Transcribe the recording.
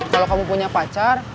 kalau kamu punya pacar